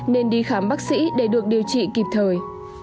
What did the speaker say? nên đi khám bác sĩ để được điều trị kịp thời